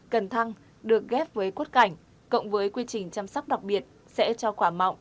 cần thăng được ghép với quất cảnh cộng với quy trình chăm sóc đặc biệt sẽ cho quả mọng